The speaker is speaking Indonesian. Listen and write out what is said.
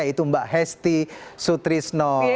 yaitu mbak hesti sutrisno